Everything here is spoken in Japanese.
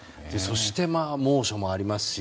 そして猛暑もありますし